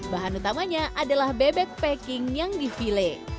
bahan utamanya adalah bebek peking yang di file